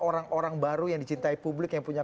orang orang baru yang dicintai publik yang punya